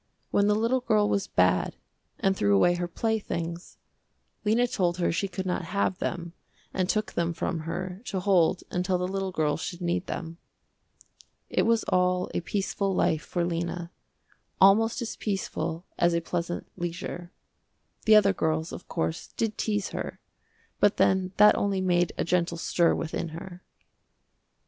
When the little girl was bad and threw away her playthings, Lena told her she could not have them and took them from her to hold until the little girl should need them. It was all a peaceful life for Lena, almost as peaceful as a pleasant leisure. The other girls, of course, did tease her, but then that only made a gentle stir within her.